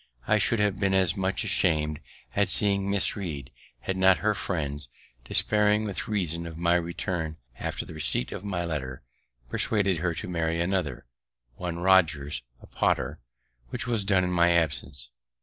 I should have been as much asham'd at seeing Miss Read, had not her friends, despairing with reason of my return after the receipt of my letter, persuaded her to marry another, one Rogers, a potter, which was done in my absence.